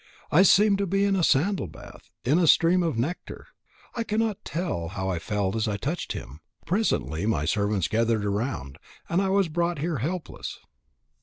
I seemed to be in a sandal bath, in a stream of nectar. I cannot tell how I felt as I touched him. Presently my servants gathered around, and I was brought here helpless.